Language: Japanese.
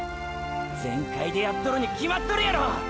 全開でやっとるに決まっとるやろ！！